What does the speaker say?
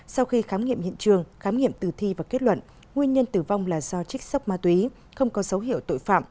sau khi khám nghiệm hiện trường khám nghiệm tử thi và kết luận nguyên nhân tử vong là do trích sốc ma túy không có dấu hiệu tội phạm